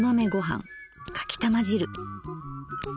かきたま汁。